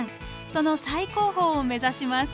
その最高峰を目指します。